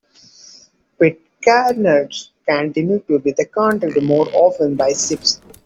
The Pitcairners continued to be contacted more often by ships.